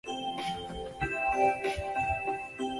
东西向横跨古杨吴城壕。